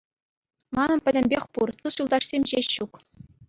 Манӑн пӗтӗмпех пур, тус-юлташсем ҫеҫ ҫук.